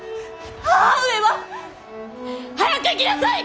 母上は。早く行きなさい！